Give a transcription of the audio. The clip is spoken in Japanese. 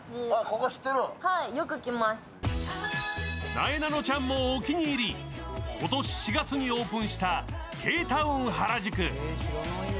なえなのちゃんもお気に入り、今年４月にオープンしたＫ−ＴＯＷＮ原宿。